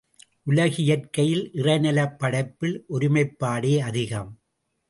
உலகியற்கையில் இறைநலப் படைப்பில் ஒருமைப்பாடே அதிகம்.